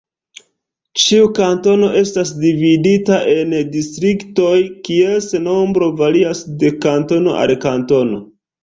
Ĉiu kantono estas dividita en distriktoj kies nombro varias de kantono al kantono.